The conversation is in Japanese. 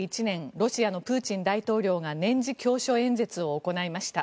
ロシアのプーチン大統領が年次教書演説を行いました。